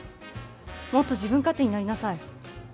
もっと自分勝手になりなさい。